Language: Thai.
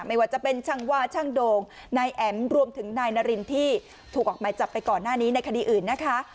ไม่ว่าจะเป็นช่างว่าช่างโดงนายแอ๋มรวมถึงนายนารินที่ถูกออกหมายจับไปก่อนหน้านี้ในคดีอื่นนะคะ